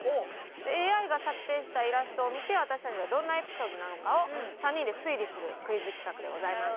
ＡＩが作成したイラストを見て私たちがどんなエピソードなのかを３人で推理するクイズ企画でございます。